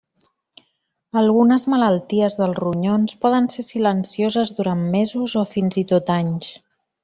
Algunes malalties dels ronyons poden ser silencioses durant mesos o fins i tot anys.